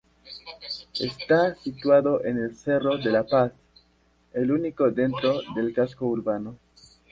Está situado en el Cerro de la Paz, el único dentro del casco urbano.